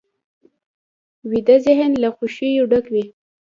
ویده ذهن له خوښیو ډک وي